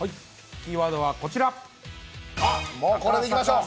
キーワードはこちら。